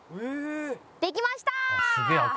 できました！